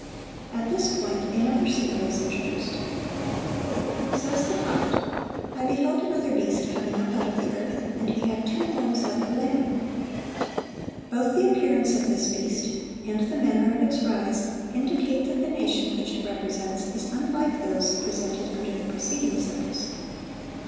At this point another symbol is introduced. Says the prophet, "I beheld another beast coming up out of the earth; and he had two horns like a lamb."(737) Both the appearance of this beast and the manner of its rise indicate that the nation which it represents is unlike those presented under the preceding symbols.